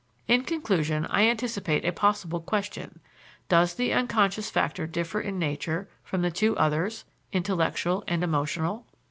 In conclusion, I anticipate a possible question: "Does the unconscious factor differ in nature from the two others (intellectual and emotional)?"